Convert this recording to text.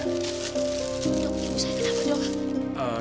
dok ibu saya kenapa dok